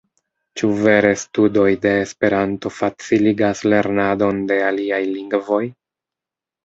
Ĉu vere studoj de Esperanto faciligas lernadon de aliaj lingvoj?